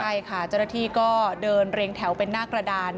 ใช่ค่ะเจ้าหน้าที่ก็เดินเรียงแถวเป็นหน้ากระดาน